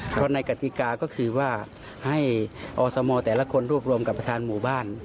เพราะในกติกาก็คือว่าให้อสมแต่ละคนรวบรวมกับประธานหมู่บ้าน